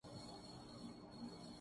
مجھے کچھ کتابوں کی ضرورت ہے۔